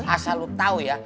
asal lu tau ya